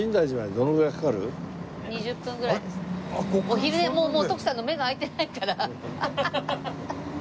お昼寝もう徳さんの目が開いてないから。